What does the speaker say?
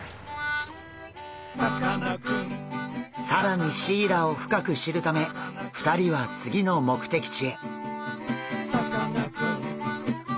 更にシイラを深く知るため２人は次の目的地へ。